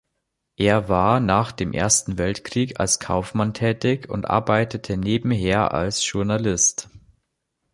Er war nach dem Ersten Weltkrieg als Kaufmann tätig und arbeitete nebenher als Journalist.